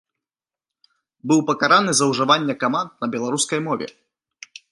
Быў пакараны за ўжыванне каманд на беларускай мове.